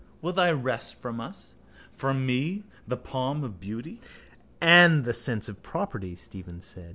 Will they wrest from us, from me, the palm of beauty? —And the sense of property, Stephen said.